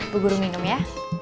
bu guru minum ya